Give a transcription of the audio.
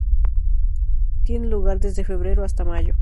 Tiene lugar desde febrero hasta mayo.